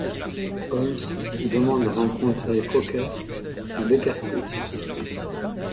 Holmes demande à rencontrer Croker à Baker Street.